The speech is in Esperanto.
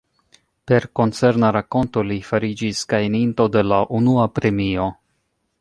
Per koncerna rakonto li fariĝis gajninto de la unua premio.